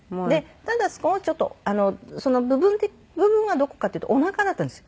ただ少しちょっと部分はどこかっていうとおなかだったんです。